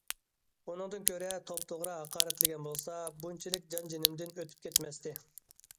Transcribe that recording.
ئۇنىڭدىن كۆرە توپتوغرا ھاقارەتلىگەن بولسا، بۇنچىلىك جان- جېنىمدىن ئۆتۈپ كەتمەستى.